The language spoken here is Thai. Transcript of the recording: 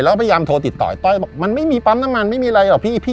แล้วก็พยายามโทรติดต่อไอ้ต้อยบอกมันไม่มีปั๊มน้ำมันไม่มีอะไรหรอกพี่